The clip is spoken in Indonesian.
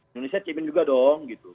indonesia chip in juga dong